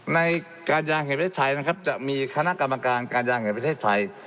ในการยางแห่งประเทศไทยนะครับจะมีคณะกรรมการการยางแห่งประเทศไทย